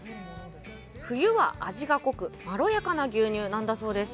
冬は味が濃くまろやかな牛乳なんだそうです。